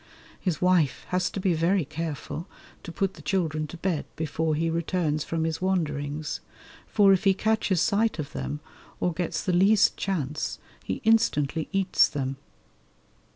His wife has to be very careful to put the children to bed before he returns from his wanderings, for if he catches sight of them or gets the least chance he instantly eats them.